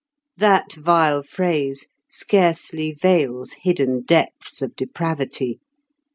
That vile phrase scarcely veils hidden depths of depravity.